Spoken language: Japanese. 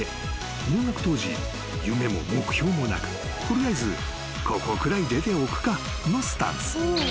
［入学当時夢も目標もなく取りあえず高校くらい出ておくかのスタンス］